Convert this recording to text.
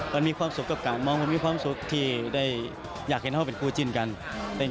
มันมีความสุขกับกันมันมีความสุขที่ได้อยากเห็นเขาเป็นชายและกด